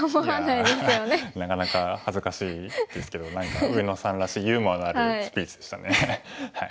なかなか恥ずかしいですけど何か上野さんらしいユーモアのあるスピーチでしたね。